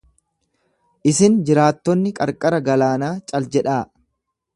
Isin jiraattonni qarqara galaanaa, cal-jedhaa.